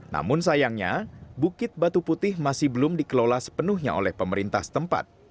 namun sayangnya bukit batu putih masih belum dikelola sepenuhnya oleh pemerintah setempat